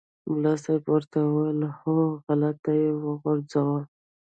ملا صاحب ورته وویل هوغلته یې وغورځوه.